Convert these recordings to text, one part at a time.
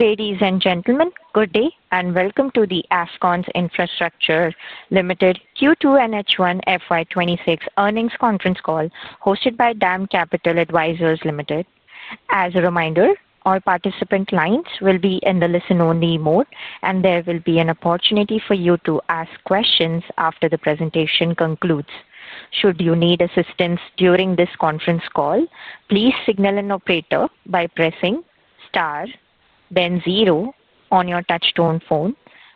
Ladies and gentlemen, good day and welcome to the Afcons Infrastructure Limited Q2 NH1 FY 2026 earnings conference call hosted by Dam Capital Advisors Limited. As a reminder, all participant lines will be in the listen-only mode, and there will be an opportunity for you to ask questions after the presentation concludes. Should you need assistance during this conference call, please signal an operator by pressing star then zero on your touch-tone phone.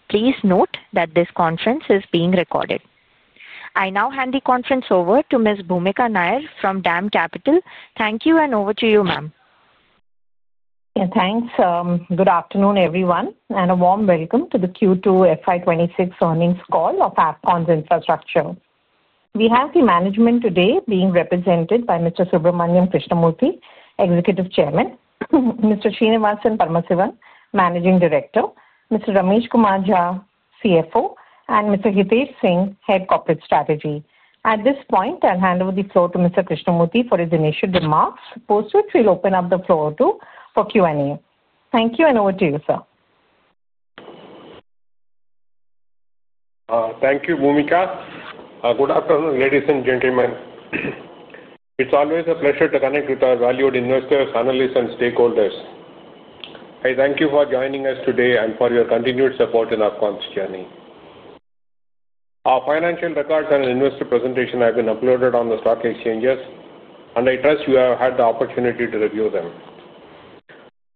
Please note that this conference is being recorded. I now hand the conference over to Ms. Bhoomika Nair from Dam Capital. Thank you, and over to you, ma'am. Thanks. Good afternoon, everyone, and a warm welcome to the Q2 FY 2026 earnings call of Afcons Infrastructure. We have the management today being represented by Mr. Subramanian Krishnamurthy, Executive Chairman, Mr. Paramasivan Srinivasan, Managing Director, Mr. Ramesh Kumar Jha, CFO, and Mr. Hitesh Singh, Head Corporate Strategy. At this point, I'll hand over the floor to Mr. Krishnamurthy for his initial remarks, post which we'll open up the floor for Q&A. Thank you, and over to you, sir. Thank you, Bhumika. Good afternoon, ladies and gentlemen. It's always a pleasure to connect with our valued investors, analysts, and stakeholders. I thank you for joining us today and for your continued support in Afcons' journey. Our financial records and investor presentations have been uploaded on the stock exchanges, and I trust you have had the opportunity to review them.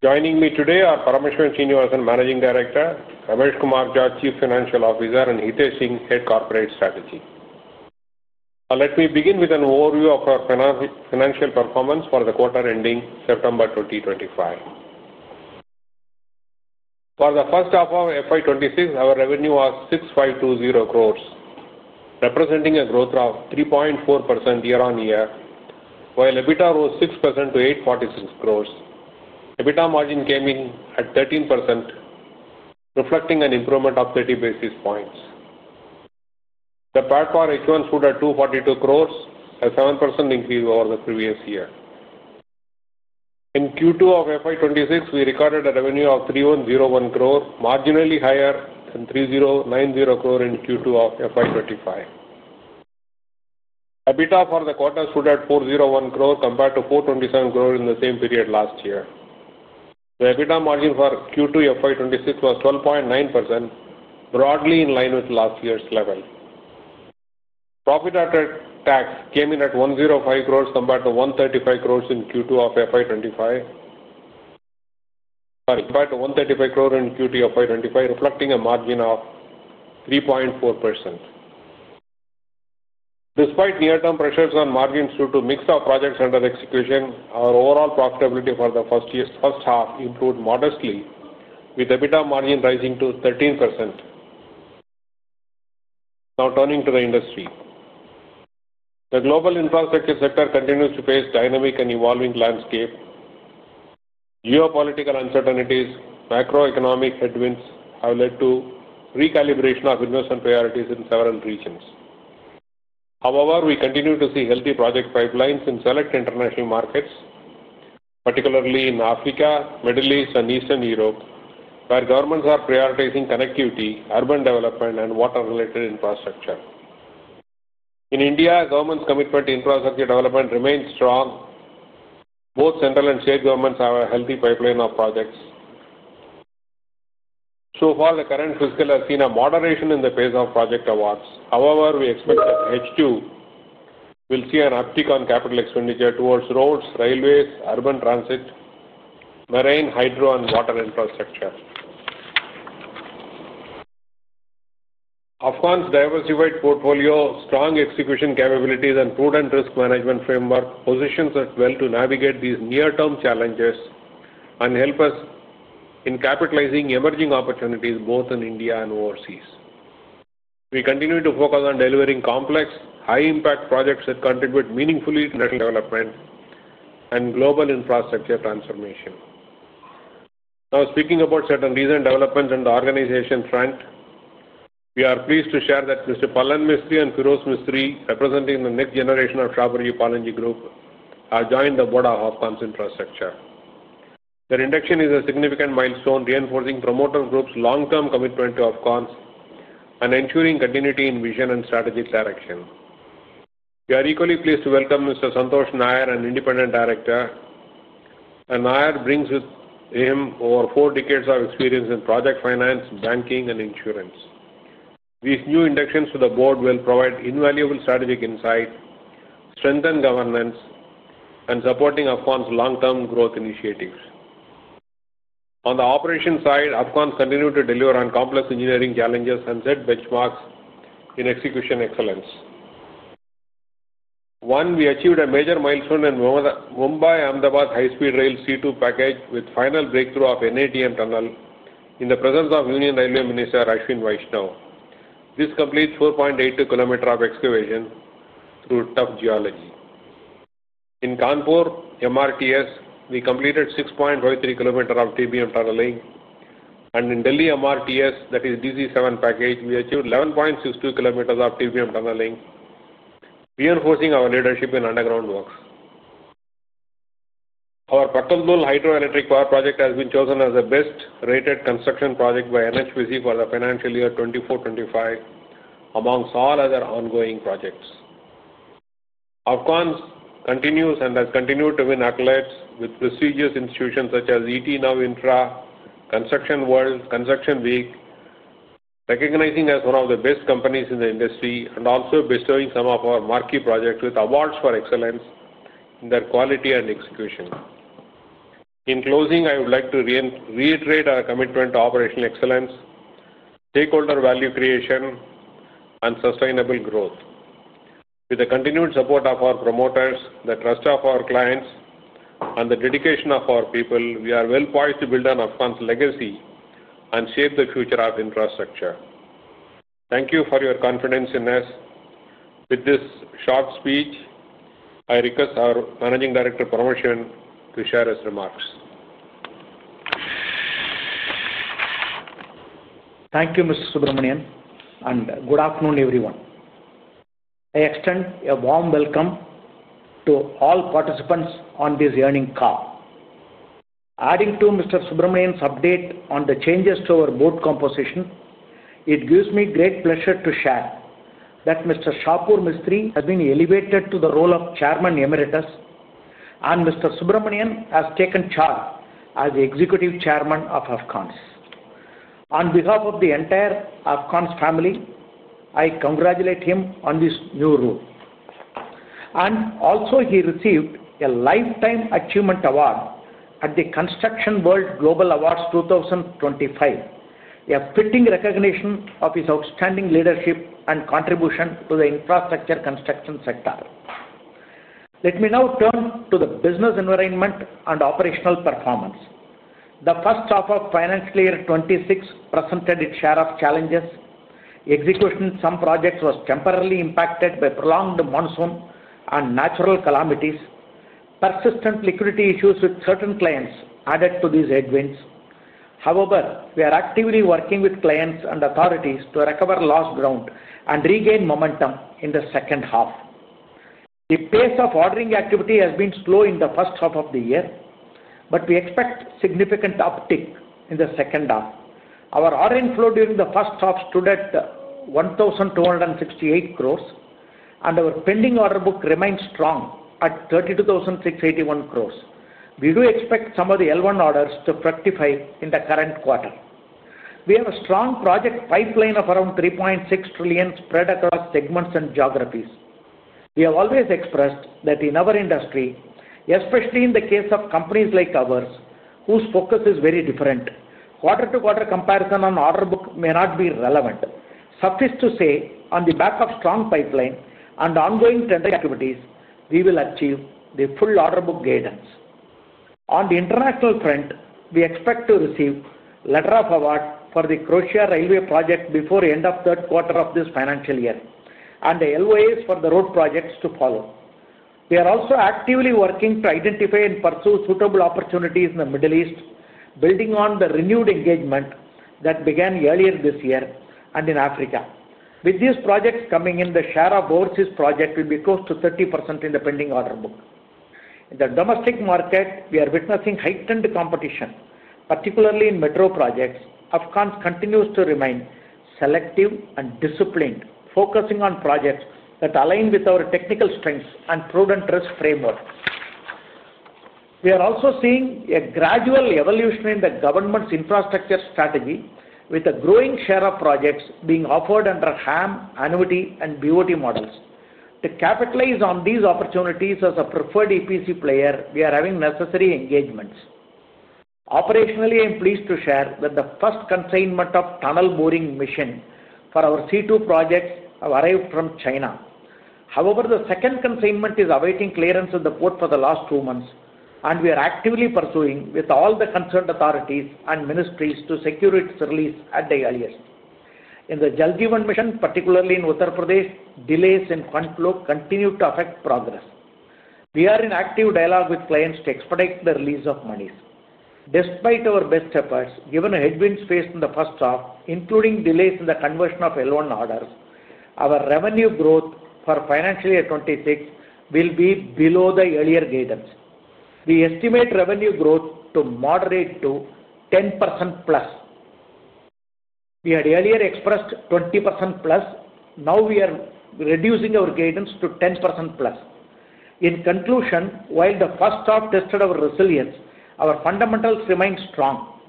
Joining me today are Paramasivan Srinivasan, Managing Director; Ramesh Kumar Jha, Chief Financial Officer; and Hitesh Singh, Head Corporate Strategy. Let me begin with an overview of our financial performance for the quarter ending September 2025. For the first half of FY 2026, our revenue was 6,520 crores, representing a growth of 3.4% year-on-year, while EBITDA rose 6% to 846 crores. EBITDA margin came in at 13%, reflecting an improvement of 30 basis points. The PAT for H1 stood at 242 crores, a 7% increase over the previous year. In Q2 of FY 2026, we recorded a revenue of 3,101 crore, marginally higher than 3,090 crore in Q2 of FY 2025. EBITDA for the quarter stood at 401 crore compared to 427 crore in the same period last year. The EBITDA margin for Q2 FY 2026 was 12.9%, broadly in line with last year's level. Profit after tax came in at 105 crore compared to 135 crore in Q2 of FY 2025, sorry, compared to 135 crore in Q2 FY 2025, reflecting a margin of 3.4%. Despite near-term pressures on margins due to a mix of projects under execution, our overall profitability for the first half improved modestly, with EBITDA margin rising to 13%. Now turning to the industry, the global infrastructure sector continues to face a dynamic and evolving landscape. Geopolitical uncertainties, macroeconomic headwinds, have led to recalibration of investment priorities in several regions. However, we continue to see healthy project pipelines in select international markets, particularly in Africa, the Middle East, and Eastern Europe, where governments are prioritizing connectivity, urban development, and water-related infrastructure. In India, governments' commitment to infrastructure development remains strong. Both central and state governments have a healthy pipeline of projects. So far, the current fiscal has seen a moderation in the pace of project awards. However, we expect that H2 will see an uptick on capital expenditure towards roads, railways, urban transit, marine, hydro, and water infrastructure. Afcons' diversified portfolio, strong execution capabilities, and prudent risk management framework position us well to navigate these near-term challenges and help us in capitalizing emerging opportunities both in India and overseas. We continue to focus on delivering complex, high-impact projects that contribute meaningfully to national development and global infrastructure transformation. Now, speaking about certain recent developments on the organization front, we are pleased to share that Mr. Pallonji Mistry and Feroz Mistry, representing the next generation of Shapoorji Pallonji Group, have joined the board of Afcons Infrastructure. Their induction is a significant milestone, reinforcing promoter groups' long-term commitment to Afcons and ensuring continuity in vision and strategic direction. We are equally pleased to welcome Mr. Santosh Nair, an independent director. Nair brings with him over four decades of experience in project finance, banking, and insurance. These new inductions to the board will provide invaluable strategic insight, strengthen governance, and support Afcons' long-term growth initiatives. On the operations side, Afcons continues to deliver on complex engineering challenges and set benchmarks in execution excellence. One, we achieved a major milestone in Mumbai-Ahmedabad high-speed rail C2 package with final breakthrough of NATM tunnel in the presence of Union Railway Minister Ashwini Vaishnaw. This completes 4.82 kilometers of excavation through tough geology. In Kanpur, MRTS, we completed 6.53 kilometers of TBM tunneling, and in Delhi MRTS, that is DC7 package, we achieved 11.62 kilometers of TBM tunneling, reinforcing our leadership in underground works. Our Pattal Dhol Hydroelectric Power Project has been chosen as the best-rated construction project by NHPC for the financial year 2024-2025, amongst all other ongoing projects. Afcons continues and has continued to win accolades with prestigious institutions such as ET Now Infra, Construction World, and Construction Week, recognizing us as one of the best companies in the industry and also bestowing some of our marquee projects with awards for excellence in their quality and execution. In closing, I would like to reiterate our commitment to operational excellence, stakeholder value creation, and sustainable growth. With the continued support of our promoters, the trust of our clients, and the dedication of our people, we are well poised to build on Afcons' legacy and shape the future of infrastructure. Thank you for your confidence in us. With this short speech, I request our Managing Director, Parameshwar, to share his remarks. Thank you, Mr. Subramanian, and good afternoon, everyone. I extend a warm welcome to all participants on this evening call. Adding to Mr. Subramanian's update on the changes to our board composition, it gives me great pleasure to share that Mr. Shapoorji Mistry has been elevated to the role of Chairman Emeritus, and Mr. Subramanian has taken charge as the Executive Chairman of Afcons. On behalf of the entire Afcons family, I congratulate him on this new role. He also received a Lifetime Achievement Award at the Construction World Global Awards 2025, a fitting recognition of his outstanding leadership and contribution to the infrastructure construction sector. Let me now turn to the business environment and operational performance. The first half of financial year 2026 presented its share of challenges. Execution of some projects was temporarily impacted by prolonged monsoon and natural calamities. Persistent liquidity issues with certain clients added to these headwinds. However, we are actively working with clients and authorities to recover lost ground and regain momentum in the second half. The pace of ordering activity has been slow in the first half of the year, but we expect significant uptick in the second half. Our ordering flow during the first half stood at 1,268 crore, and our pending order book remained strong at 32,681 crore. We do expect some of the L1 orders to fructify in the current quarter. We have a strong project pipeline of around 3.6 trillion spread across segments and geographies. We have always expressed that in our industry, especially in the case of companies like ours, whose focus is very different, quarter-to-quarter comparison on order book may not be relevant. Suffice to say, on the back of a strong pipeline and ongoing tender activities, we will achieve the full order book cadence. On the international front, we expect to receive a letter of award for the Croatia Railway project before the end of the third quarter of this financial year, and the LOAs for the road projects to follow. We are also actively working to identify and pursue suitable opportunities in the Middle East, building on the renewed engagement that began earlier this year and in Africa. With these projects coming in, the share of overseas projects will be close to 30% in the pending order book. In the domestic market, we are witnessing heightened competition, particularly in metro projects. Afcons continues to remain selective and disciplined, focusing on projects that align with our technical strengths and prudent risk framework. We are also seeing a gradual evolution in the government's infrastructure strategy, with a growing share of projects being offered under HAM, BOT, and BOT models. To capitalize on these opportunities as a preferred EPC player, we are having necessary engagements. Operationally, I am pleased to share that the first consignment of tunnel boring machine for our C2 projects has arrived from China. However, the second consignment is awaiting clearance at the port for the last two months, and we are actively pursuing with all the concerned authorities and ministries to secure its release at the earliest. In the Jaljeevan Mission, particularly in Uttar Pradesh, delays in fund flow continue to affect progress. We are in active dialogue with clients to expedite the release of monies. Despite our best efforts, given the headwinds faced in the first half, including delays in the conversion of L1 orders, our revenue growth for financial year 2026 will be below the earlier cadence. We estimate revenue growth to moderate to 10% plus. We had earlier expressed 20% plus. Now, we are reducing our cadence to 10% plus. In conclusion, while the first half tested our resilience, our fundamentals remain strong.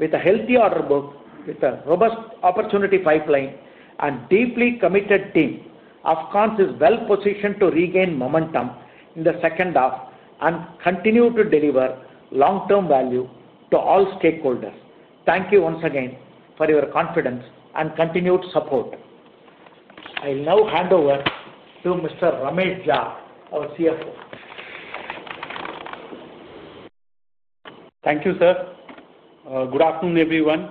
With a healthy order book, with a robust opportunity pipeline, and a deeply committed team, Afcons is well positioned to regain momentum in the second half and continue to deliver long-term value to all stakeholders. Thank you once again for your confidence and continued support. I will now hand over to Mr. Ramesh Kumar Jha, our CFO. Thank you, sir. Good afternoon, everyone.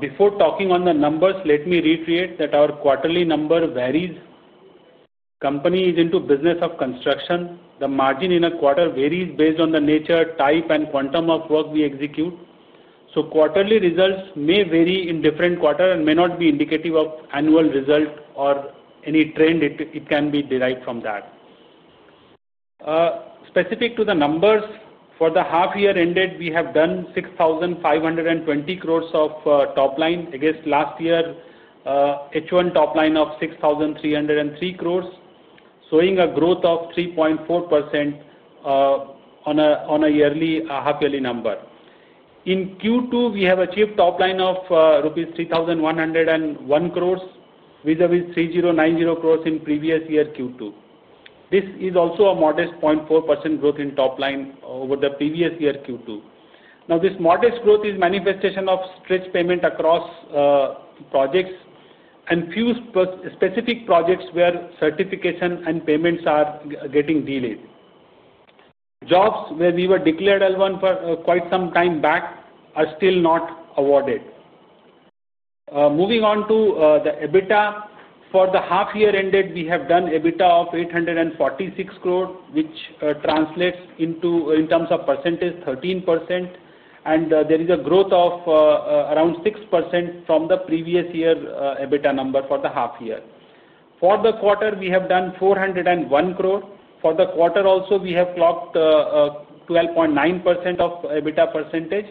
Before talking on the numbers, let me reiterate that our quarterly number varies. The company is into the business of construction. The margin in a quarter varies based on the nature, type, and quantum of work we execute. Quarterly results may vary in different quarters and may not be indicative of annual results or any trend it can be derived from that. Specific to the numbers, for the half-year ended, we have done 6,520 crores of top line against last year's H1 top line of 6,303 crores, showing a growth of 3.4% on a half-yearly number. In Q2, we have achieved a top line of rupees 3,101 crores vis-à-vis 3,090 crores in the previous year Q2. This is also a modest 0.4% growth in top line over the previous year Q2. Now, this modest growth is a manifestation of stretched payment across projects and few specific projects where certification and payments are getting delayed. Jobs where we were declared L1 for quite some time back are still not awarded. Moving on to the EBITDA, for the half-year ended, we have done an EBITDA of 846 crore, which translates in terms of percentage to 13%, and there is a growth of around 6% from the previous year's EBITDA number for the half-year. For the quarter, we have done 401 crore. For the quarter, also, we have clocked 12.9% of EBITDA percentage.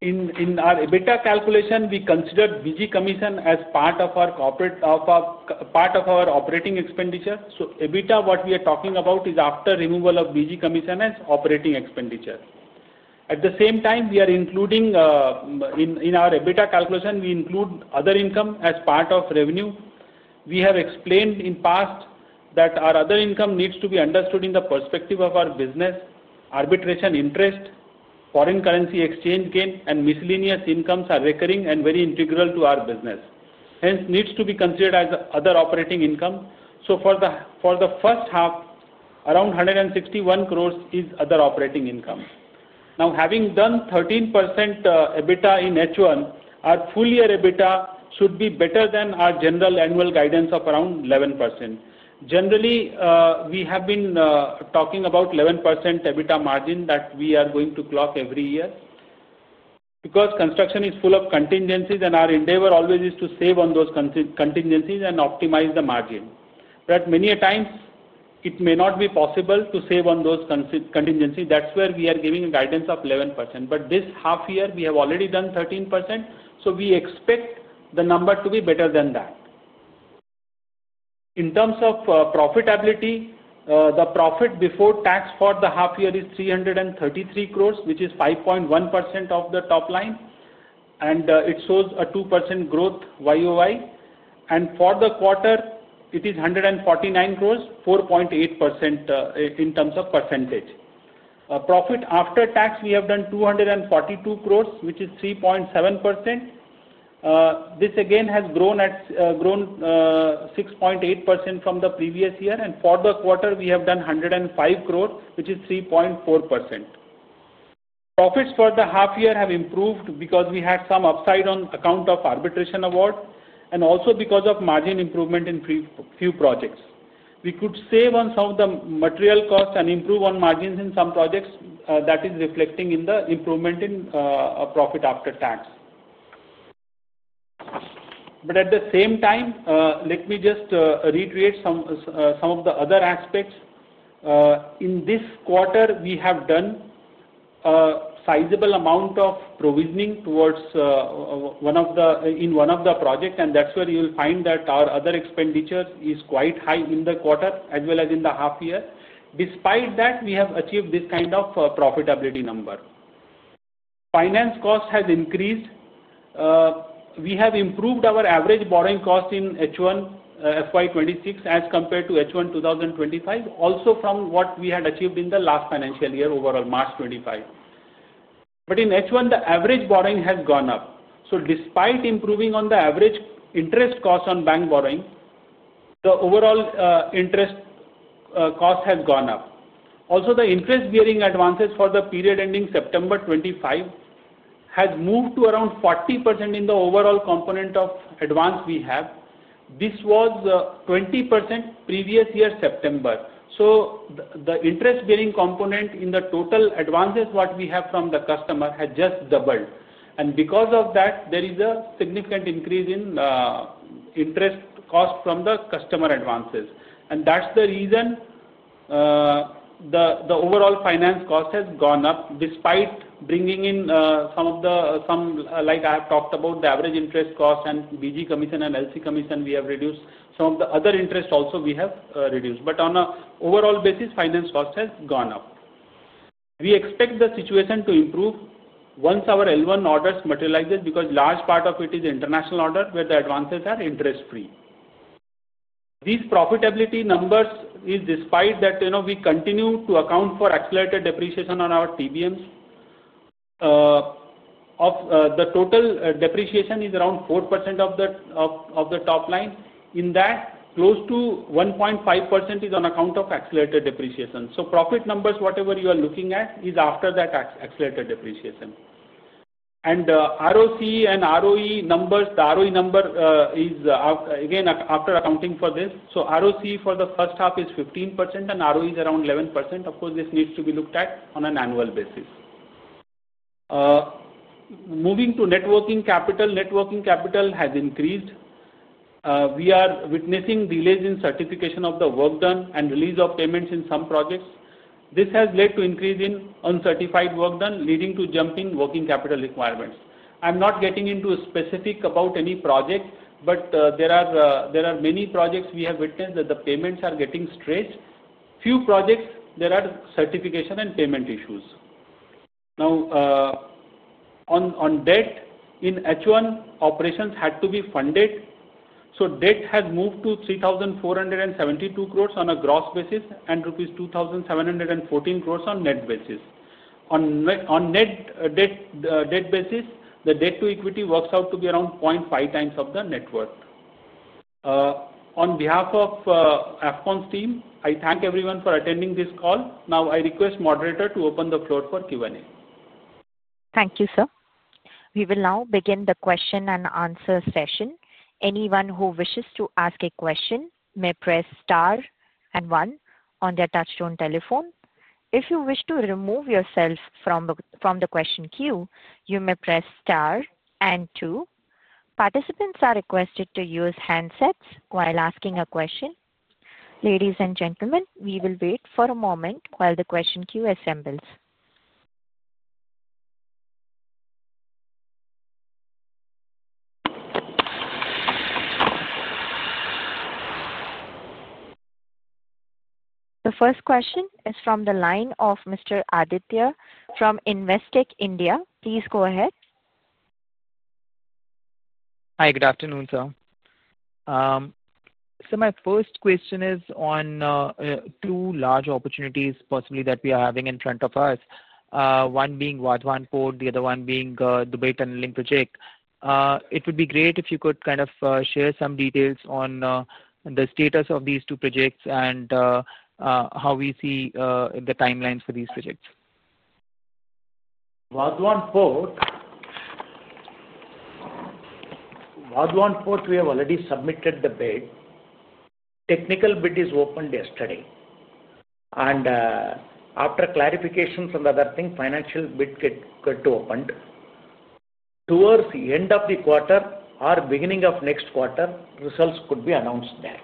In our EBITDA calculation, we considered BG Commission as part of our operating expenditure. EBITDA, what we are talking about, is after removal of BG Commission as operating expenditure. At the same time, in our EBITDA calculation, we include other income as part of revenue. We have explained in the past that our other income needs to be understood in the perspective of our business arbitration interest, foreign currency exchange gain, and miscellaneous incomes that are recurring and very integral to our business. Hence, it needs to be considered as other operating income. For the first half, around 161 crore is other operating income. Now, having done 13% EBITDA in H1, our full-year EBITDA should be better than our general annual guidance of around 11%. Generally, we have been talking about an 11% EBITDA margin that we are going to clock every year because construction is full of contingencies, and our endeavor always is to save on those contingencies and optimize the margin. Many a times, it may not be possible to save on those contingencies. That is where we are giving a guidance of 11%. This half-year, we have already done 13%. We expect the number to be better than that. In terms of profitability, the profit before tax for the half-year is 333 crores, which is 5.1% of the top line, and it shows a 2% growth YOI. For the quarter, it is 149 crores, 4.8% in terms of percentage. Profit after tax, we have done 242 crores, which is 3.7%. This, again, has grown 6.8% from the previous year. For the quarter, we have done 105 crores, which is 3.4%. Profits for the half-year have improved because we had some upside on account of arbitration award and also because of margin improvement in a few projects. We could save on some of the material costs and improve on margins in some projects. That is reflecting in the improvement in profit after tax. At the same time, let me just reiterate some of the other aspects. In this quarter, we have done a sizable amount of provisioning towards one of the projects, and that's where you will find that our other expenditure is quite high in the quarter as well as in the half-year. Despite that, we have achieved this kind of profitability number. Finance cost has increased. We have improved our average borrowing cost in H1 FY 2026 as compared to H1 2025, also from what we had achieved in the last financial year, overall March 2025. In H1, the average borrowing has gone up. Despite improving on the average interest cost on bank borrowing, the overall interest cost has gone up. Also, the interest-bearing advances for the period ending September 2025 have moved to around 40% in the overall component of advance we have. This was 20% previous year September. The interest-bearing component in the total advances we have from the customer has just doubled. Because of that, there is a significant increase in interest cost from the customer advances. That is the reason the overall finance cost has gone up despite bringing in some of the, like I have talked about, the average interest cost and BG Commission and LC Commission, we have reduced. Some of the other interest also we have reduced. On an overall basis, finance cost has gone up. We expect the situation to improve once our L1 orders materialize because a large part of it is international order where the advances are interest-free. These profitability numbers are despite that we continue to account for accelerated depreciation on our TBMs. The total depreciation is around 4% of the top line. In that, close to 1.5% is on account of accelerated depreciation. Profit numbers, whatever you are looking at, is after that accelerated depreciation. ROC and ROE numbers, the ROE number is again after accounting for this. ROC for the first half is 15% and ROE is around 11%. Of course, this needs to be looked at on an annual basis. Moving to networking capital, networking capital has increased. We are witnessing delays in certification of the work done and release of payments in some projects. This has led to an increase in uncertified work done leading to jumping working capital requirements. I'm not getting into specifics about any project, but there are many projects we have witnessed that the payments are getting stretched. Few projects, there are certification and payment issues. Now, on debt, in H1, operations had to be funded. Debt has moved to 3,472 crores on a gross basis and rupees 2,714 crores on net basis. On net debt basis, the debt-to-equity works out to be around 0.5 times of the net worth. On behalf of Afcons Team, I thank everyone for attending this call. Now, I request the moderator to open the floor for Q&A. Thank you, sir. We will now begin the question and answer session. Anyone who wishes to ask a question may press star and one on their touchstone telephone. If you wish to remove yourself from the question queue, you may press star and two. Participants are requested to use handsets while asking a question. Ladies and gentlemen, we will wait for a moment while the question queue assembles. The first question is from the line of Mr. Aditya from Investec India. Please go ahead. Hi, good afternoon, sir. My first question is on two large opportunities possibly that we are having in front of us, one being Wadhwan Port, the other one being the Dubai Tunneling Project. It would be great if you could kind of share some details on the status of these two projects and how we see the timelines for these projects. Wadhwan Port, we have already submitted the bid. Technical bid is opened yesterday. After clarifications and other things, financial bid got opened. Towards the end of the quarter or beginning of next quarter, results could be announced there.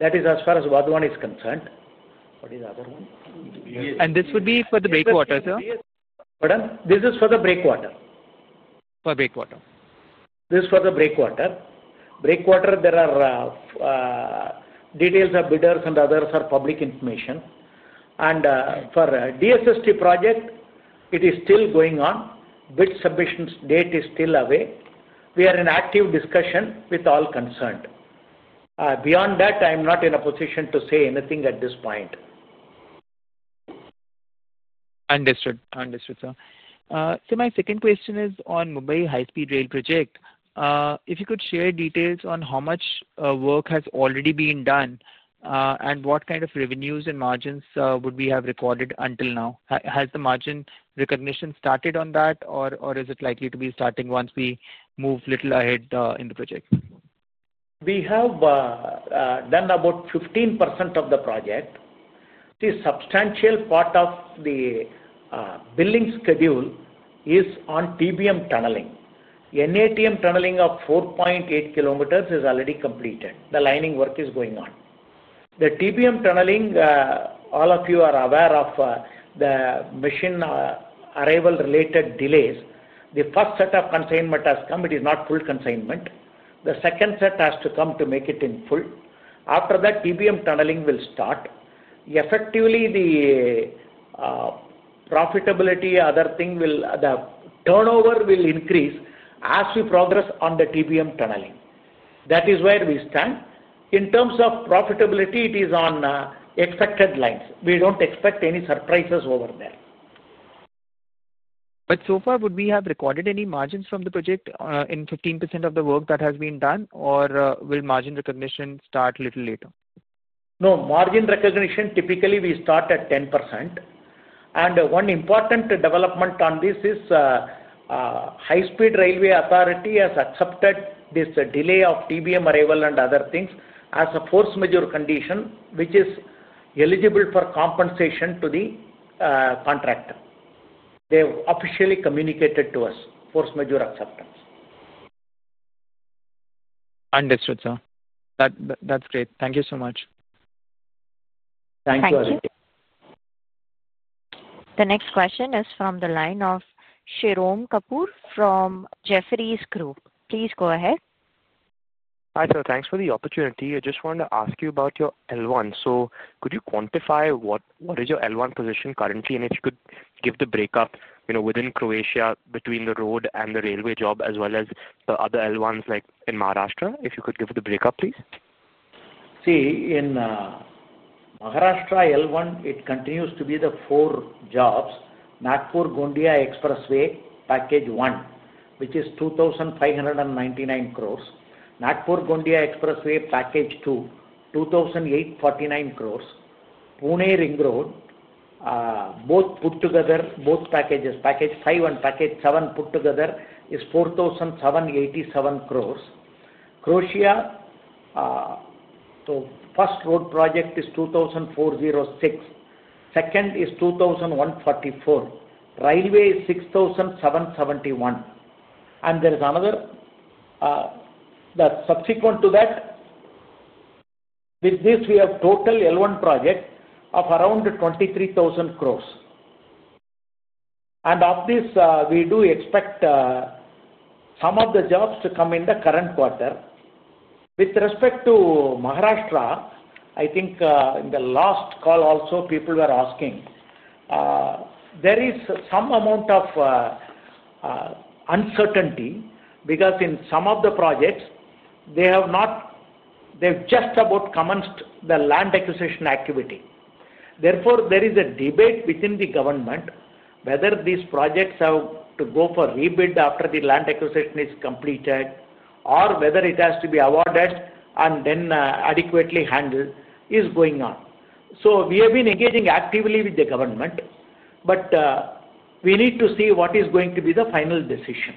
That is as far as Wadhwan is concerned. What is the other one? This would be for the breakwater, sir? Pardon? This is for the breakwater. For breakwater. This is for the breakwater. Breakwater, there are details of bidders and others are public information. For the DSST project, it is still going on. Bid submission date is still away. We are in active discussion with all concerned. Beyond that, I am not in a position to say anything at this point. Understood. Understood, sir. My second question is on Mumbai High-Speed Rail Project. If you could share details on how much work has already been done and what kind of revenues and margins would we have recorded until now? Has the margin recognition started on that, or is it likely to be starting once we move a little ahead in the project? We have done about 15% of the project. The substantial part of the building schedule is on TBM tunneling. NATM tunneling of 4.8 km is already completed. The lining work is going on. The TBM tunneling, all of you are aware of the machine arrival-related delays. The first set of consignment has come, it is not full consignment. The second set has to come to make it in full. After that, TBM tunneling will start. Effectively, the profitability, other thing will the turnover will increase as we progress on the TBM tunneling. That is where we stand. In terms of profitability, it is on expected lines. We do not expect any surprises over there. So far, would we have recorded any margins from the project in 15% of the work that has been done, or will margin recognition start a little later? No, margin recognition typically we start at 10%. And one important development on this is High-Speed Railway Authority has accepted this delay of TBM arrival and other things as a force majeure condition, which is eligible for compensation to the contractor. They have officially communicated to us force majeure acceptance. Understood, sir. That's great. Thank you so much. Thank you. The next question is from the line of Shirom Kapur from Jefferies Group. Please go ahead. Hi, sir. Thanks for the opportunity. I just wanted to ask you about your L1. Could you quantify what is your L1 position currently, and if you could give the breakup within Croatia between the road and the railway job as well as the other L1s like in Maharashtra? If you could give the breakup, please. See, in Maharashtra L1, it continues to be the four jobs: Nagpur-Gondia Expressway Package One, which is 2,599 crores; Nagpur-Gondia Expressway Package Two, 2,849 crores; Pune-Ring Road. Both put together, both packages, Package Five and Package Seven put together is 4,787 crores. Croatia, so first road project is 2,406. Second is 2,144. Railway is 6,771. And there is another that's subsequent to that. With this, we have total L1 project of around 23,000 crores. Of this, we do expect some of the jobs to come in the current quarter. With respect to Maharashtra, I think in the last call also, people were asking, there is some amount of uncertainty because in some of the projects, they have not, they've just about commenced the land acquisition activity. Therefore, there is a debate within the government whether these projects have to go for rebid after the land acquisition is completed or whether it has to be awarded and then adequately handled is going on. We have been engaging actively with the government, but we need to see what is going to be the final decision.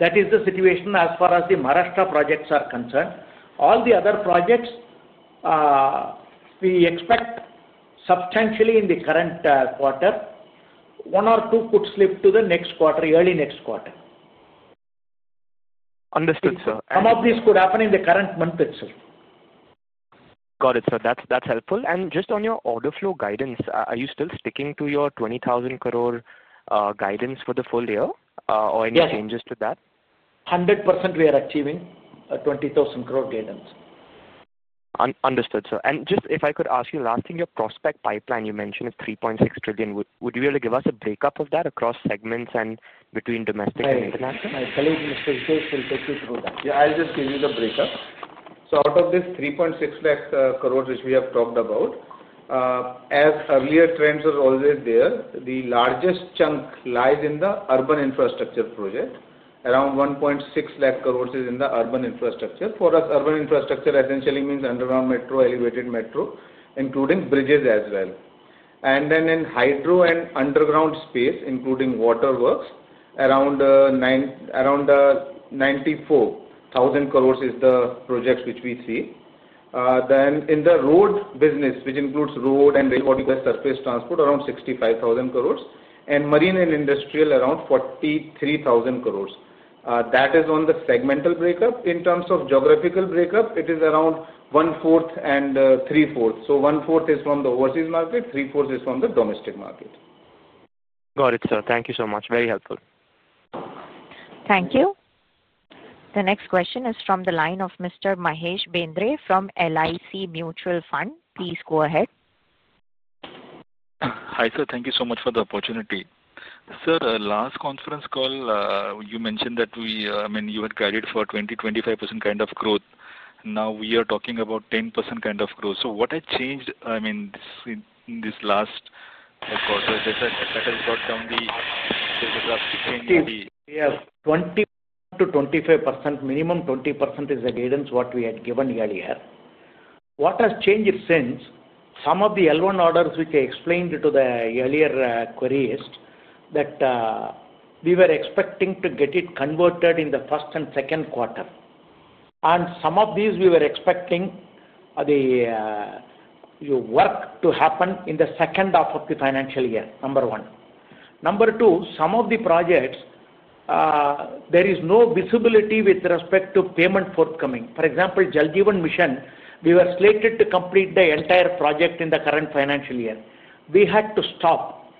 That is the situation as far as the Maharashtra projects are concerned. All the other projects, we expect substantially in the current quarter. One or two could slip to the next quarter, early next quarter. Understood, sir. Some of these could happen in the current month itself. Got it, sir. That's helpful. Just on your order flow guidance, are you still sticking to your 20,000 crore guidance for the full year or any changes to that? Yes. 100% we are achieving 20,000 crore guidance. Understood, sir. Just if I could ask you last thing, your prospect pipeline you mentioned is 3.6 trillion. Would you be able to give us a breakup of that across segments and between domestic and international? I'll tell you in a minute. We'll take you through that. Yeah, I'll just give you the breakup. Out of this 3.6 lakh crore which we have talked about, as earlier trends are always there, the largest chunk lies in the urban infrastructure project. Around 1.6 lakh crore is in the urban infrastructure. For us, urban infrastructure essentially means underground metro, elevated metro, including bridges as well. In hydro and underground space, including waterworks, around 94,000 crore is the project which we see. In the road business, which includes road and railroad surface transport, around 65,000 crore, and marine and industrial, around 43,000 crore. That is on the segmental breakup. In terms of geographical breakup, it is around one-fourth and three-fourths. One-fourth is from the overseas market, three-fourths is from the domestic market. Got it, sir. Thank you so much. Very helpful. Thank you. The next question is from the line of Mr. Mahesh Bendre from LIC Mutual Fund. Please go ahead. Hi, sir. Thank you so much for the opportunity. Sir, last conference call, you mentioned that we, I mean, you had guided for 20-25% kind of growth. Now we are talking about 10% kind of growth. What has changed, I mean, in this last quarter? That has brought down the geographical change. We have 20-25%, minimum 20% is the guidance what we had given earlier. What has changed since? Some of the L1 orders which I explained to the earlier queries that we were expecting to get it converted in the first and second quarter. Some of these we were expecting the work to happen in the second half of the financial year, number one. Number two, some of the projects, there is no visibility with respect to payment forthcoming. For example, Jaljeevan Mission, we were slated to complete the entire project in the current financial year. We had to stop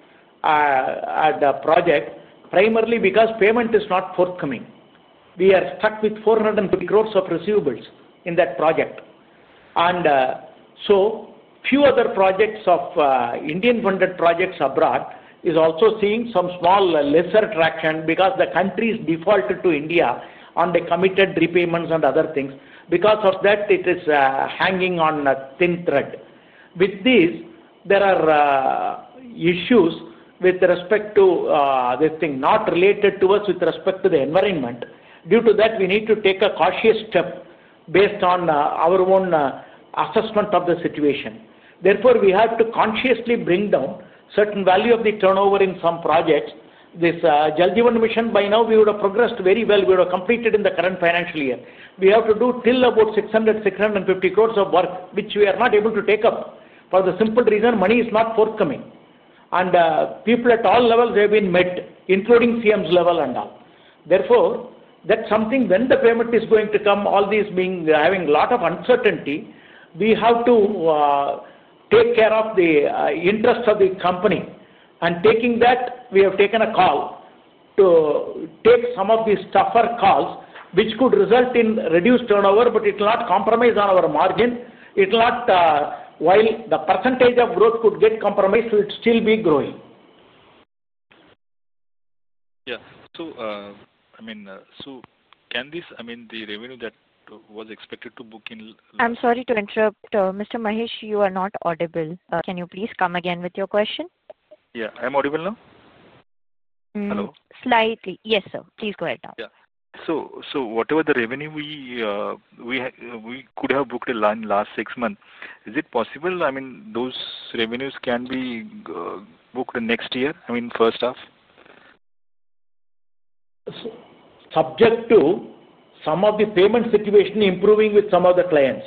the project primarily because payment is not forthcoming. We are stuck with 450 crore of receivables in that project. Few other projects of Indian-funded projects abroad are also seeing some small, lesser traction because the country has defaulted to India on the committed repayments and other things. Because of that, it is hanging on a thin thread. With this, there are issues with respect to this thing, not related to us with respect to the environment. Due to that, we need to take a cautious step based on our own assessment of the situation. Therefore, we have to consciously bring down certain value of the turnover in some projects. This Jaljeevan Mission, by now, we would have progressed very well. We would have completed in the current financial year. We have to do till about 600 crore-650 crore of work, which we are not able to take up for the simple reason money is not forthcoming. People at all levels have been met, including CMs level and all. Therefore, that's something when the payment is going to come, all these being having a lot of uncertainty, we have to take care of the interest of the company. Taking that, we have taken a call to take some of these tougher calls, which could result in reduced turnover, but it will not compromise on our margin. It will not, while the percentage of growth could get compromised, it will still be growing. Yeah. So, I mean, so can this, I mean, the revenue that was expected to book in. I'm sorry to interrupt. Mr. Mahesh, you are not audible. Can you please come again with your question? Yeah. Am I audible now? Slightly. Yes, sir. Please go ahead now. Yeah. So, whatever the revenue we could have booked in the last six months, is it possible, I mean, those revenues can be booked next year, I mean, first half? Subject to some of the payment situation improving with some of the clients.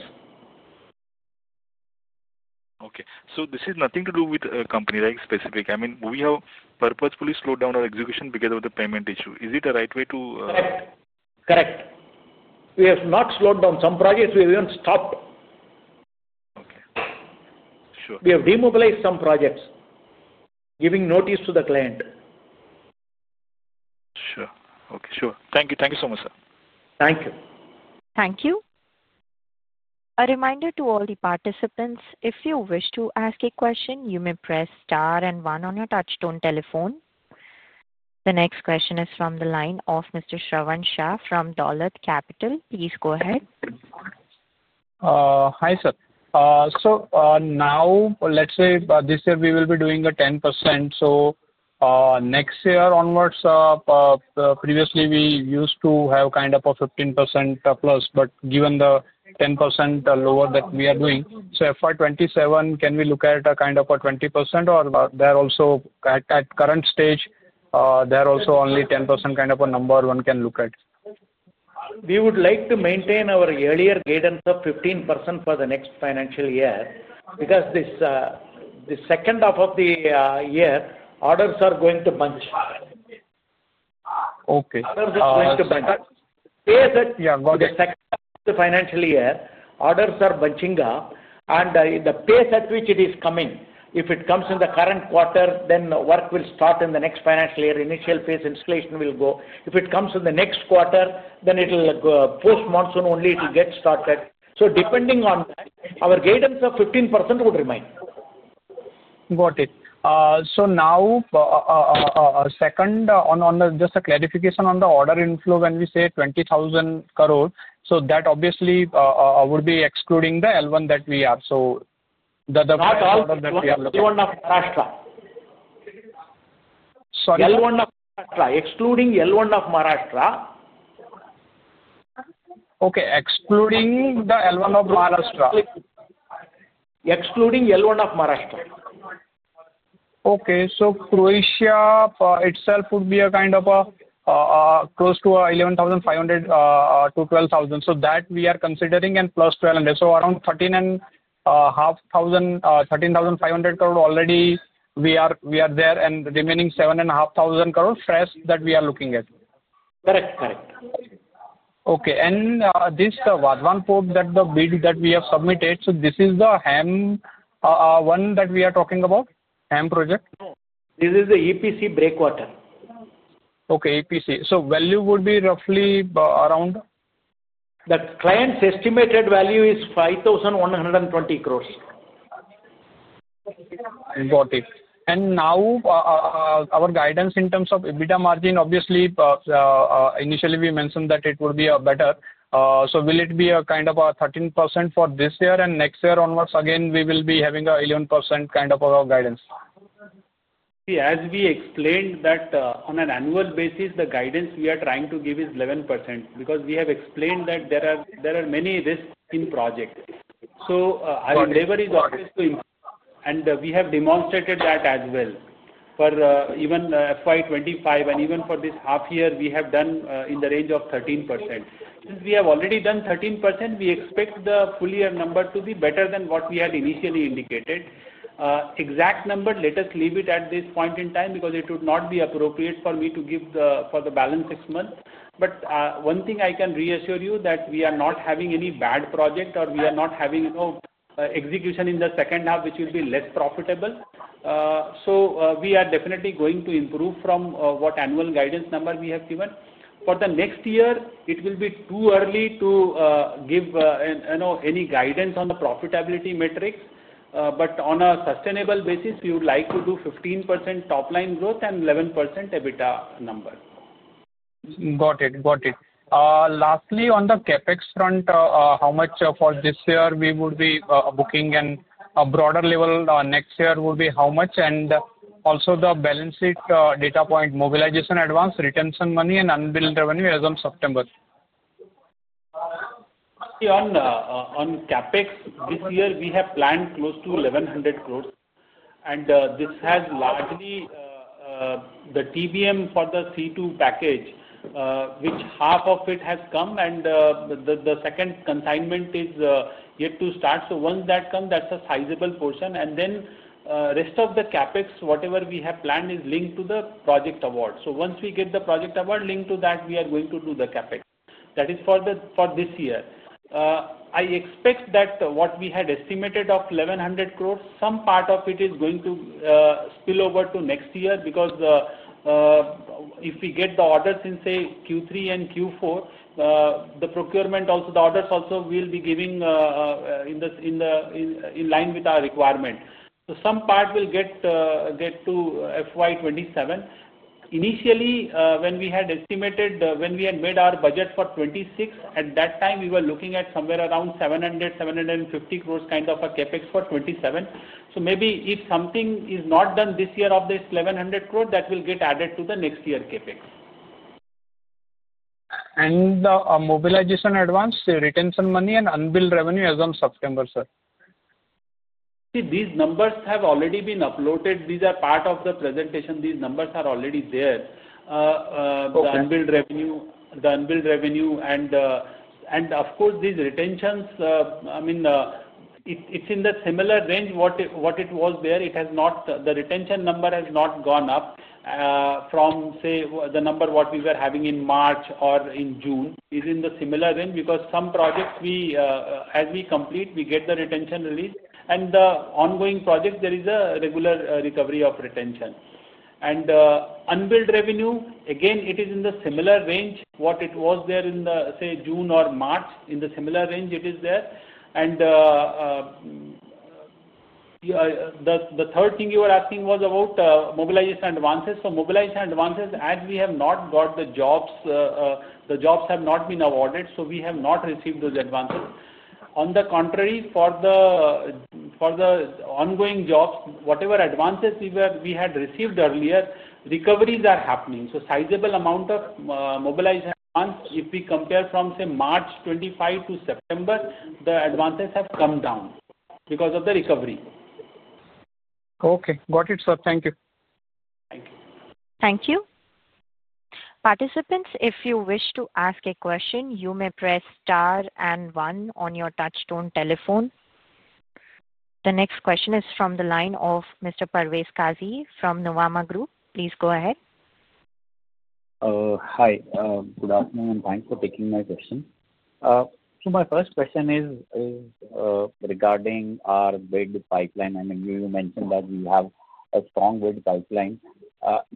Okay. This is nothing to do with a company specific. I mean, we have purposefully slowed down our execution because of the payment issue. Is it a right way to? Correct. We have not slowed down. Some projects we haven't stopped. Okay. Sure. We have demobilized some projects, giving notice to the client. Sure. Okay. Sure. Thank you. Thank you so much, sir. Thank you. Thank you. A reminder to all the participants, if you wish to ask a question, you may press star and one on your touchstone telephone. The next question is from the line of Mr. Shravan Shah from Dolat Capital. Please go ahead. Hi, sir. Now, let's say this year we will be doing a 10%. Next year onwards, previously we used to have kind of a 15% plus, but given the 10% lower that we are doing, for FY 2027, can we look at kind of a 20% or, there also, at current stage, there also only 10% kind of a number one can look at? We would like to maintain our earlier guidance of 15% for the next financial year because the second half of the year, orders are going to bunch. Okay. Orders are going to bunch. The second half of the financial year, orders are bunching up, and the pace at which it is coming, if it comes in the current quarter, then work will start in the next financial year. Initial phase installation will go. If it comes in the next quarter, then it will post monsoon only, it will get started. Depending on that, our guidance of 15% would remain. Got it. Now, second, just a clarification on the order inflow. When we say 20,000 crore, that obviously would be excluding the L1 that we have. So, the. Not L1 of Maharashtra. Sorry. L1 of Maharashtra. Excluding L1 of Maharashtra. Okay. Excluding the L1 of Maharashtra. Excluding L1 of Maharashtra. Okay. Croatia itself would be kind of close to 11,500-12,000. That we are considering, and plus 1,200. Around 13,500 crore already we are there, and remaining 7,500 crore fresh that we are looking at. Correct. Correct. Okay. And this Wadhwan Port that the bid that we have submitted, is this the HAM one that we are talking about? HAM project? This is the EPC breakwater. Okay. EPC. So, value would be roughly around? The client's estimated value is 5,120 crore. Got it. Now, our guidance in terms of EBITDA margin, obviously, initially we mentioned that it would be better. Will it be a kind of a 13% for this year and next year onwards? Again, we will be having a 11% kind of a guidance. See, as we explained that on an annual basis, the guidance we are trying to give is 11% because we have explained that there are many risks in projects. So, our lever is obvious to improve, and we have demonstrated that as well. For even fiscal year 2025 and even for this half year, we have done in the range of 13%. Since we have already done 13%, we expect the full year number to be better than what we had initially indicated. Exact number, let us leave it at this point in time because it would not be appropriate for me to give for the balance six months. One thing I can reassure you is that we are not having any bad project or we are not having no execution in the second half, which will be less profitable. We are definitely going to improve from what annual guidance number we have given. For the next year, it will be too early to give any guidance on the profitability metrics, but on a sustainable basis, we would like to do 15% top-line growth and 11% EBITDA number. Got it. Got it. Lastly, on the CapEx front, how much for this year we would be booking and a broader level next year would be how much? Also, the balance sheet data point, mobilization advance, retention money, and unbilled revenue as of September? On CapEx, this year we have planned close to 1,100 crore. This has largely the TBM for the C2 package, which half of it has come, and the second consignment is yet to start. Once that comes, that's a sizable portion. The rest of the CapEx, whatever we have planned, is linked to the project award. Once we get the project award linked to that, we are going to do the CapEx. That is for this year. I expect that what we had estimated of 1,100 crore, some part of it is going to spill over to next year because if we get the orders in, say, Q3 and Q4, the procurement, also the orders also will be giving in line with our requirement. Some part will get to FY 2027. Initially, when we had estimated, when we had made our budget for 2026, at that time, we were looking at somewhere around 700 crore-750 crore kind of a CapEx for 2027. Maybe if something is not done this year of this 1,100 crore, that will get added to the next year CapEx. Mobilization advance, retention money, and unbilled revenue as of September, sir? See, these numbers have already been uploaded. These are part of the presentation. These numbers are already there. The unbilled revenue, and of course, these retentions, I mean, it's in the similar range what it was there. It has not, the retention number has not gone up from, say, the number what we were having in March or in June. It is in the similar range because some projects, as we complete, we get the retention release. The ongoing project, there is a regular recovery of retention. Unbilled revenue, again, it is in the similar range what it was there in the, say, June or March. In the similar range, it is there. The third thing you were asking was about mobilization advances. Mobilization advances, as we have not got the jobs, the jobs have not been awarded, we have not received those advances. On the contrary, for the ongoing jobs, whatever advances we had received earlier, recoveries are happening. So, sizable amount of mobilization advance, if we compare from, say, March 2025 to September, the advances have come down because of the recovery. Okay. Got it, sir. Thank you. Thank you. Thank you. Participants, if you wish to ask a question, you may press star and one on your touchstone telephone. The next question is from the line of Mr. Parvez Qazi from Nuvuma Group. Please go ahead. Hi. Good afternoon. Thanks for taking my question. My first question is regarding our bid pipeline. I mean, you mentioned that we have a strong bid pipeline.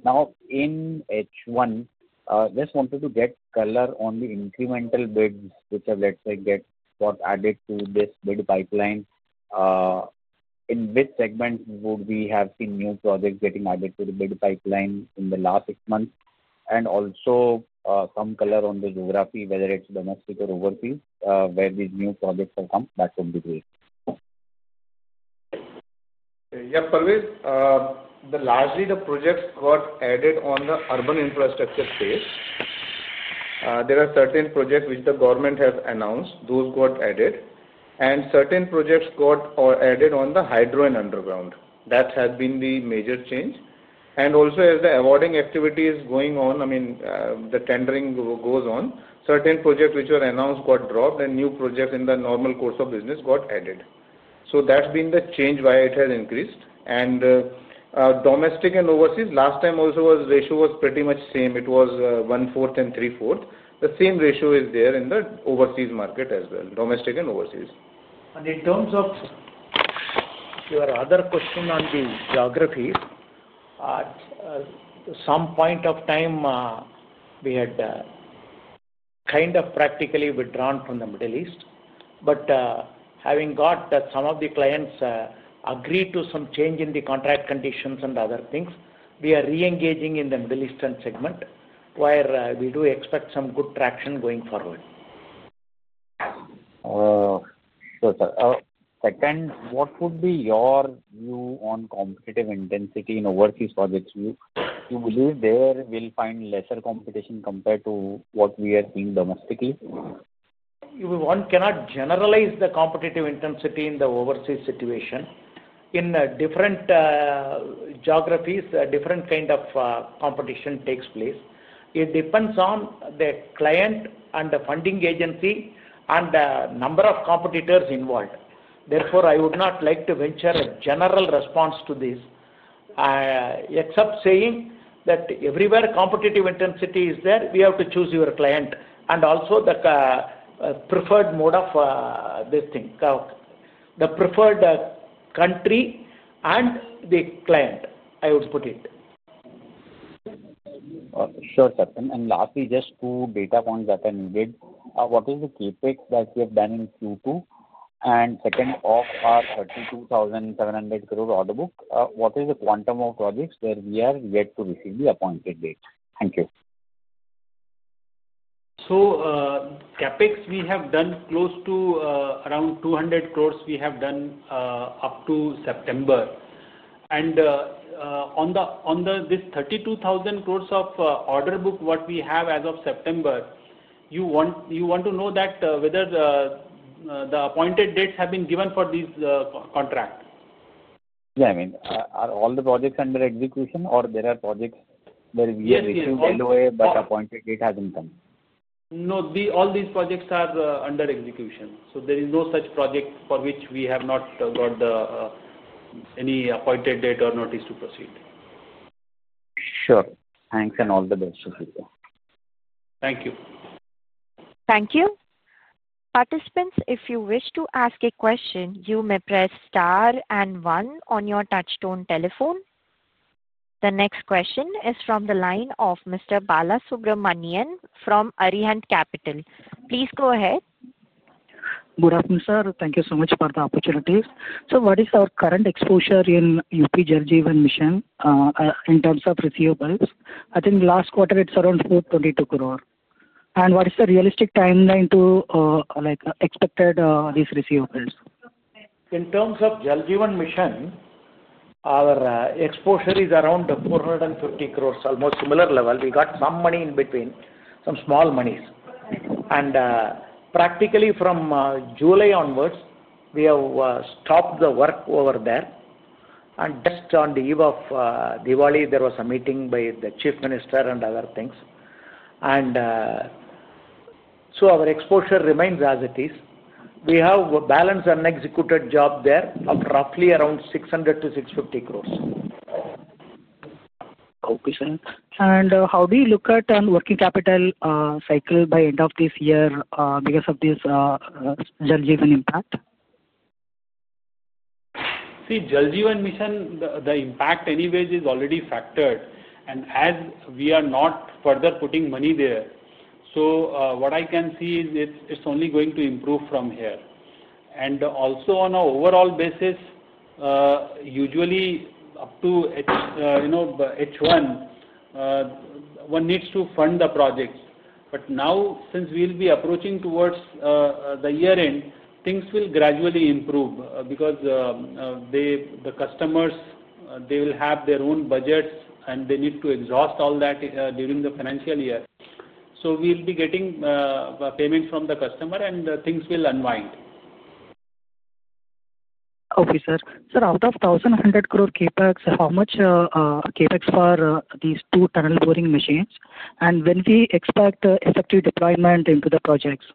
Now, in H1, just wanted to get color on the incremental bids which have, let's say, got added to this bid pipeline. In which segment would we have seen new projects getting added to the bid pipeline in the last six months? Also, some color on the geography, whether it's domestic or overseas, where these new projects have come, that would be great. Yeah, Parvez. Largely, the projects got added on the urban infrastructure space. There are certain projects which the government has announced. Those got added. And certain projects got added on the hydro and underground. That has been the major change. Also, as the awarding activity is going on, I mean, the tendering goes on, certain projects which were announced got dropped, and new projects in the normal course of business got added. That has been the change why it has increased. Domestic and overseas, last time also the ratio was pretty much the same. It was one-fourth and three-fourth. The same ratio is there in the overseas market as well, domestic and overseas. In terms of your other question on the geography, at some point of time, we had kind of practically withdrawn from the Middle East. Having got that, some of the clients agreed to some change in the contract conditions and other things, we are re-engaging in the Middle Eastern segment, where we do expect some good traction going forward. Sure, sir. Second, what would be your view on competitive intensity in overseas projects? Do you believe there will find lesser competition compared to what we are seeing domestically? We cannot generalize the competitive intensity in the overseas situation. In different geographies, different kind of competition takes place. It depends on the client and the funding agency and the number of competitors involved. Therefore, I would not like to venture a general response to this, except saying that everywhere competitive intensity is there, we have to choose your client. Also, the preferred mode of this thing, the preferred country and the client, I would put it. Sure, sir. Lastly, just two data points that I needed. What is the CapEx that we have done in Q2? Second, of our 32,700 crore order book, what is the quantum of projects where we are yet to receive the appointed date? Thank you. CapEx, we have done close to around 200 crore we have done up to September. On this 32,000 crore of order book what we have as of September, you want to know that whether the appointed dates have been given for these contracts? Yeah. I mean, are all the projects under execution, or there are projects where we have received LOA but appointed date hasn't come? No. All these projects are under execution. There is no such project for which we have not got any appointed date or notice to proceed. Sure. Thanks and all the best, Sriraman. Thank you. Thank you. Participants, if you wish to ask a question, you may press star and one on your touchstone telephone. The next question is from the line of Mr. Balasubramanian A from Arihant Capital. Please go ahead. Good afternoon, sir. Thank you so much for the opportunity. What is our current exposure in UP Jaljeevan Mission in terms of residual bills? I think last quarter, it is around 422 crore. What is the realistic timeline to expect these residual bills? In terms of Jaljeevan Mission, our exposure is around 450 crore, almost similar level. We got some money in between, some small monies. Practically, from July onwards, we have stopped the work over there. Just on the eve of Diwali, there was a meeting by the Chief Minister and other things. Our exposure remains as it is. We have balanced unexecuted job there of roughly around 600-650 crore. Okay, sir. How do you look at working capital cycle by end of this year because of this Jaljeevan impact? See, Jaljeevan Mission, the impact anyways is already factored. As we are not further putting money there, what I can see is it's only going to improve from here. Also, on an overall basis, usually up to H1, one needs to fund the projects. Now, since we'll be approaching towards the year end, things will gradually improve because the customers, they will have their own budgets, and they need to exhaust all that during the financial year. We'll be getting payment from the customer, and things will unwind. Okay, sir. Sir, out of 1,100 crore CapEx, how much CapEx for these two tunnel boring machines? And when do we expect effective deployment into the projects?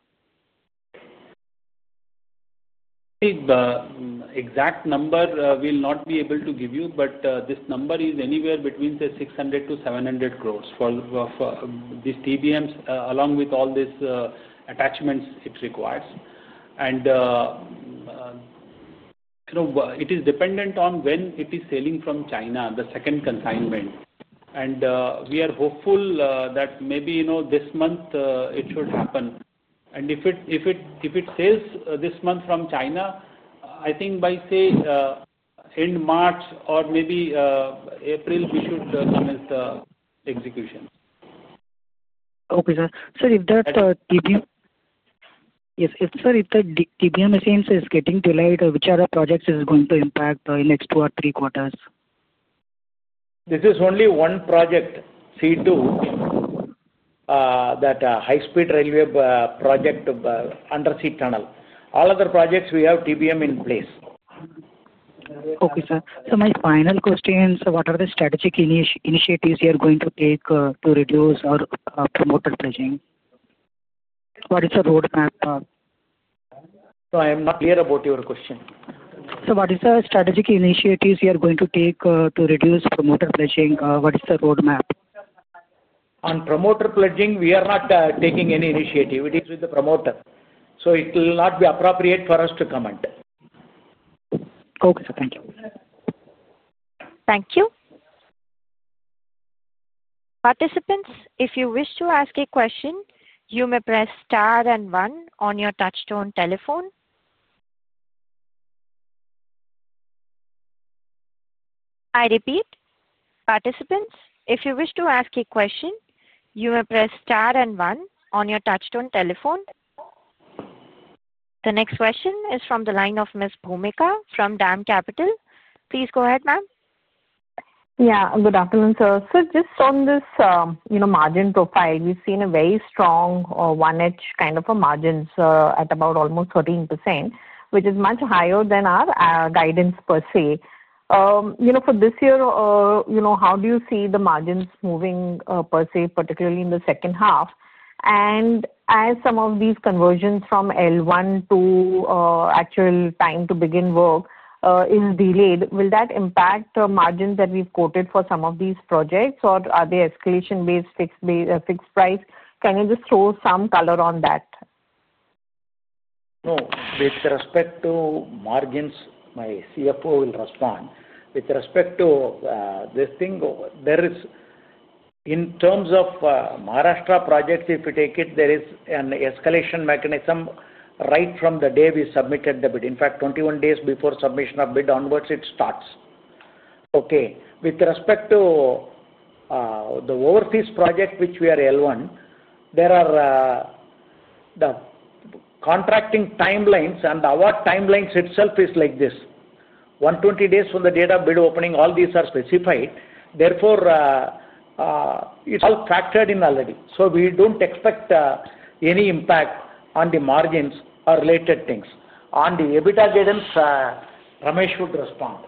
See, the exact number we'll not be able to give you, but this number is anywhere between, say, 600 crore-700 crore for these TBMs, along with all these attachments it requires. It is dependent on when it is sailing from China, the second consignment. We are hopeful that maybe this month it should happen. If it sails this month from China, I think by, say, end March or maybe April, we should commence the execution. Okay, sir. Sir, if that TBM, yes, sir, if that TBM machine is getting delayed, which other projects is going to impact in next two or three quarters? This is only one project, C2, that high-speed railway project undersea tunnel. All other projects, we have TBM in place. Okay, sir. My final question is, what are the strategic initiatives you are going to take to reduce or promote the pledging? What is the roadmap? I am not clear about your question. What is the strategic initiatives you are going to take to reduce promoter pledging? What is the roadmap? On promoter pledging, we are not taking any initiative. It is with the promoter. So, it will not be appropriate for us to comment. Okay, sir. Thank you. Thank you. Participants, if you wish to ask a question, you may press star and one on your touchstone telephone. I repeat, participants, if you wish to ask a question, you may press star and one on your touchstone telephone. The next question is from the line of Ms. Bhoomika Nair from Dam Capital Advisors Limited. Please go ahead, ma'am. Yeah. Good afternoon, sir. Sir, just on this margin profile, we've seen a very strong one-hedge kind of a margin at about almost 13%, which is much higher than our guidance per se. For this year, how do you see the margins moving per se, particularly in the second half? As some of these conversions from L1 to actual time to begin work is delayed, will that impact the margins that we've quoted for some of these projects, or are they escalation-based, fixed price? Can you just throw some color on that? No. With respect to margins, my CFO will respond. With respect to this thing, there is, in terms of Maharashtra projects, if you take it, there is an escalation mechanism right from the day we submitted the bid. In fact, 21 days before submission of bid onwards, it starts. Okay. With respect to the overseas project, which we are L1, there are the contracting timelines, and our timelines itself is like this. 120 days from the date of bid opening, all these are specified. Therefore, it's all factored in already. We don't expect any impact on the margins or related things. On the EBITDA guidance, Ramesh would respond.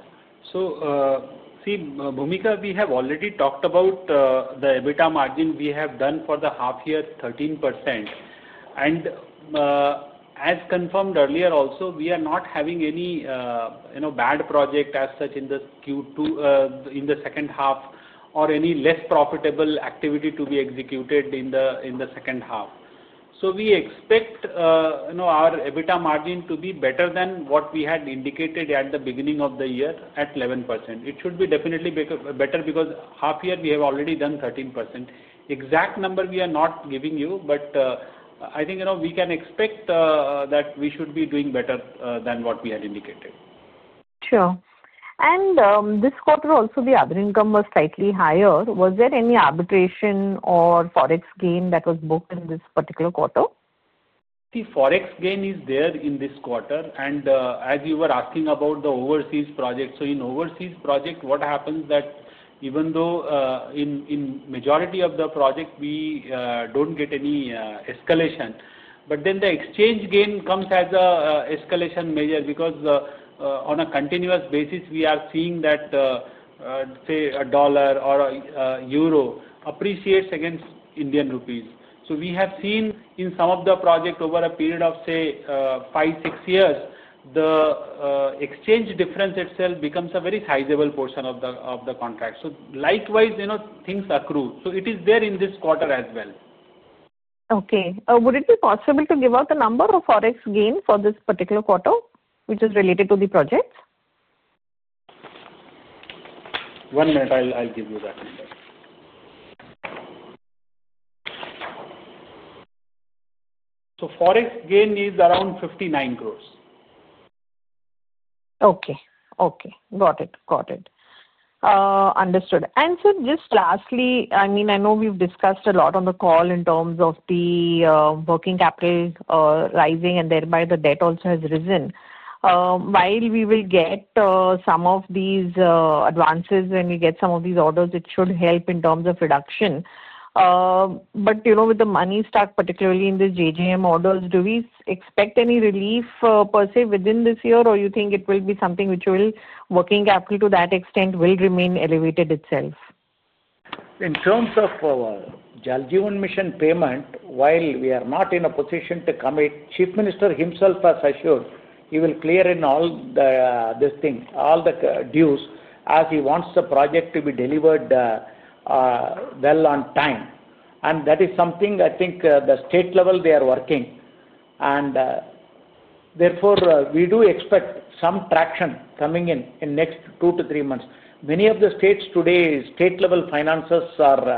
See, Bhumika, we have already talked about the EBITDA margin we have done for the half year, 13%. As confirmed earlier also, we are not having any bad project as such in the second half or any less profitable activity to be executed in the second half. We expect our EBITDA margin to be better than what we had indicated at the beginning of the year at 11%. It should be definitely better because half year we have already done 13%. Exact number we are not giving you, but I think we can expect that we should be doing better than what we had indicated. Sure. This quarter, also, the other income was slightly higher. Was there any arbitration or forex gain that was booked in this particular quarter? See, forex gain is there in this quarter. As you were asking about the overseas project, in overseas project, what happens is that even though in majority of the project, we do not get any escalation, the exchange gain comes as an escalation measure because on a continuous basis, we are seeing that, say, a dollar or a euro appreciates against Indian rupees. We have seen in some of the projects over a period of, say, five-six years, the exchange difference itself becomes a very sizable portion of the contract. Likewise, things accrue. It is there in this quarter as well. Okay. Would it be possible to give us the number of forex gain for this particular quarter, which is related to the projects? One minute, I'll give you that number. So, forex gain is around 59 crore. Okay. Okay. Got it. Got it. Understood. And sir, just lastly, I mean, I know we've discussed a lot on the call in terms of the working capital rising, and thereby, the debt also has risen. While we will get some of these advances when we get some of these orders, it should help in terms of reduction. With the money stuck, particularly in the JGM orders, do we expect any relief per se within this year, or you think it will be something which will, working capital to that extent, will remain elevated itself? In terms of Jaljeevan Mission payment, while we are not in a position to commit, the Chief Minister himself has assured he will clear all this thing, all the dues as he wants the project to be delivered well on time. That is something, I think, at the state level they are working. Therefore, we do expect some traction coming in the next two to three months. Many of the states today, state level finances are,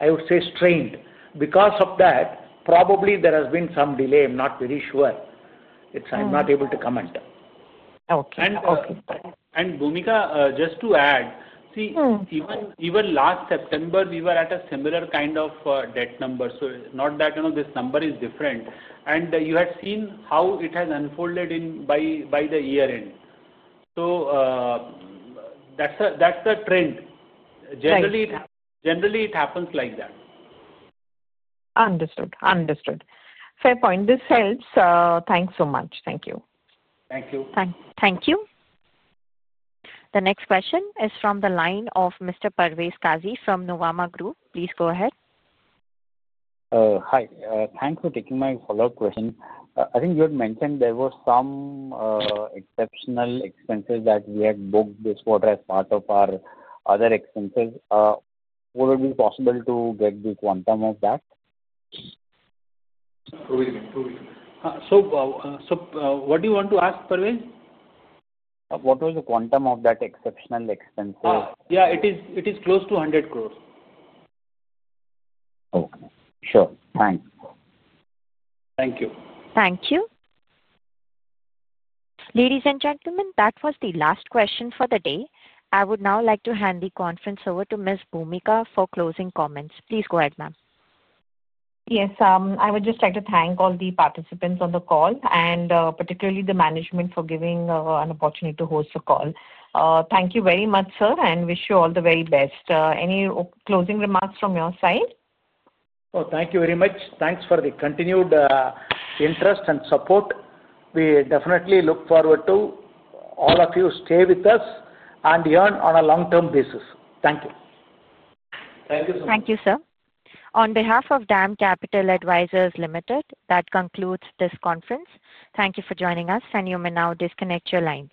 I would say, strained. Because of that, probably there has been some delay. I'm not very sure. I'm not able to comment. Okay. Bhumika, just to add, see, even last September, we were at a similar kind of debt number. Not that this number is different. You have seen how it has unfolded by the year end. That's the trend. Generally, it happens like that. Understood. Understood. Fair point. This helps. Thanks so much. Thank you. Thank you. Thank you. The next question is from the line of Mr. Parvesh Kazi from Nomura Group. Please go ahead. Hi. Thanks for taking my follow-up question. I think you had mentioned there were some exceptional expenses that we had booked this quarter as part of our other expenses. Would it be possible to get the quantum of that? Wait a minute. Wait a minute. So, what do you want to ask, Parvesh? What was the quantum of that exceptional expenses? Yeah. It is close to 100 crores. Okay. Sure. Thanks. Thank you. Thank you. Ladies and gentlemen, that was the last question for the day. I would now like to hand the conference over to Ms. Bhumika for closing comments. Please go ahead, ma'am. Yes. I would just like to thank all the participants on the call, and particularly the management for giving an opportunity to host the call. Thank you very much, sir, and wish you all the very best. Any closing remarks from your side? Oh, thank you very much. Thanks for the continued interest and support. We definitely look forward to all of you stay with us and earn on a long-term basis. Thank you. Thank you, sir. Thank you, sir. On behalf of Dam Capital Advisors Limited, that concludes this conference. Thank you for joining us, and you may now disconnect your lines.